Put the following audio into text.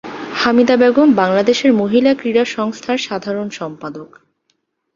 হামিদা বেগম বাংলাদেশ মহিলা ক্রীড়া সংস্থার সাধারণ সম্পাদক।